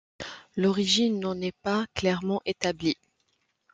L'origine n'en est pas clairement établie.